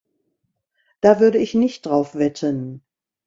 Da würde ich nicht drauf wetten.